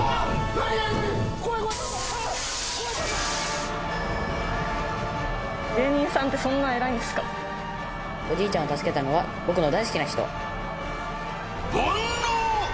怖い怖い怖いあ怖い怖い怖い・芸人さんってそんな偉いんですか・おじいちゃんを助けたのは僕の大好きな人